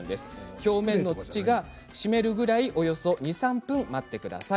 表面の土が湿るぐらいおよそ２、３分待ってください。